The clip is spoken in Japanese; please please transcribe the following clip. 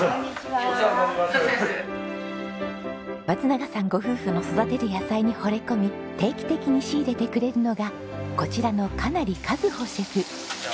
松永さんご夫婦の育てる野菜にほれ込み定期的に仕入れてくれるのがこちらの金成一歩シェフ。